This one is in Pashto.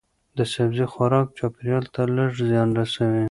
د سبزی خوراک چاپیریال ته لږ زیان رسوي.